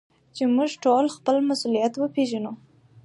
چي موږ ټول خپل مسؤليت وپېژنو.